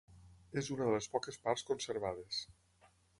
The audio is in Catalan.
És una de les poques parts conservades.